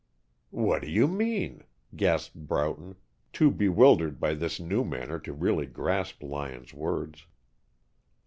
"What do you mean?" gasped Broughton, too bewildered by this new manner to really grasp Lyon's words.